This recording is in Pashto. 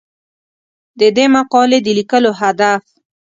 د دې مقالې د لیکلو هدف